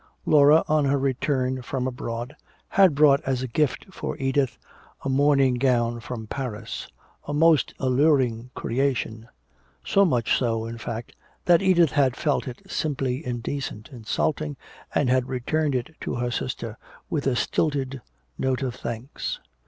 Laura on her return from abroad had brought as a gift for Edith a mourning gown from Paris, a most alluring creation so much so, in fact, that Edith had felt it simply indecent, insulting, and had returned it to her sister with a stilted note of thanks.